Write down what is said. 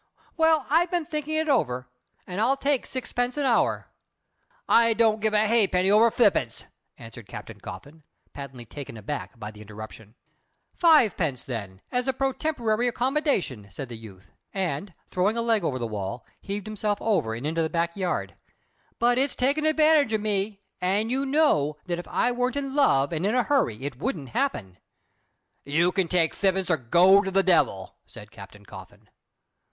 Well, I've been thinkin' it over, and I'll take sixpence an hour." "I don't give a ha'penny over fippence," answered Captain Coffin, patently taken aback by the interruption. "Fivepence, then, as a pro temporary accommodation," said the youth, and, throwing a leg over the wall, heaved himself over and into the back yard. "But it's taking advantage of me; and you know that if I weren't in love and in a hurry it wouldn't happen." "You can take fippence, or go to the devil!" said Captain Coffin.